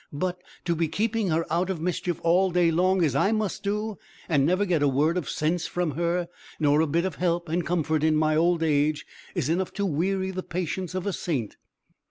But, to be keeping her out of mischief all day long, as I must do, and never get a word of sense from her, nor a bit of help and comfort in my old age, is enough to weary the patience of a saint."